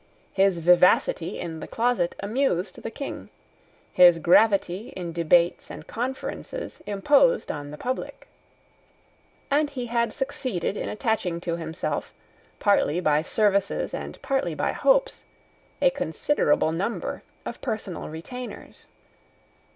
His vivacity in the closet amused the King: his gravity in debates and conferences imposed on the public; and he had succeeded in attaching to himself, partly by services and partly by hopes, a considerable number of personal retainers.